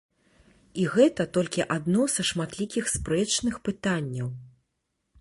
І гэта толькі адно са шматлікіх спрэчных пытанняў.